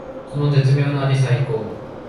この絶妙な味さいこー！